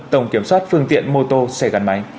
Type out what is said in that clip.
tổng kiểm soát phương tiện mô tô xe gắn máy